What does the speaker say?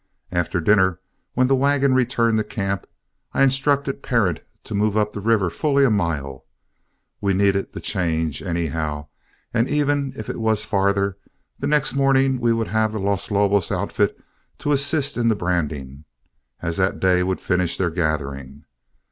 After dinner, when the wagon returned to camp, I instructed Parent to move up the river fully a mile. We needed the change, anyhow, and even if it was farther, the next morning we would have the Los Lobos outfit to assist in the branding, as that day would finish their gathering.